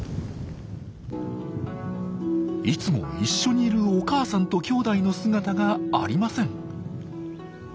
いつも一緒にいるお母さんときょうだいの姿がありません。